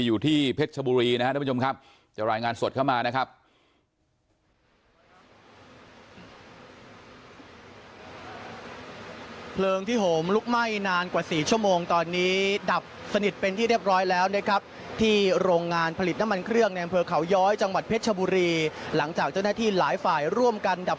อยู่ที่เพชรบุรีนะครับท่านผู้ชมครับ